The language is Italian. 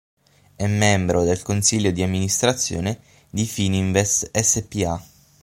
È membro del Consiglio di Amministrazione di Fininvest Spa.